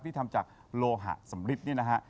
ที่ทำจากโลหะสำริดนี่นะฮะ